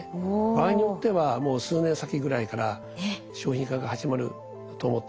場合によってはもう数年先ぐらいから商品化が始まると思ってます。